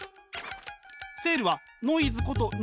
セールはノイズこと